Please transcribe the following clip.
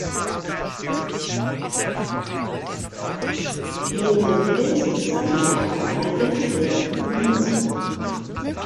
Neben den Pilzen sammelte er auch Algen, Flechten und Moose.